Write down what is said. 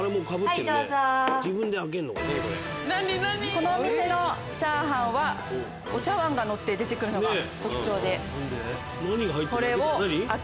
このお店のチャーハンはお茶わんがのって出て来るのが特徴。